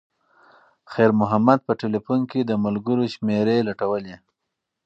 خیر محمد په تلیفون کې د ملګرو شمېرې لټولې.